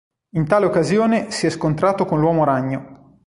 In tale occasione si è scontrato con l'Uomo Ragno.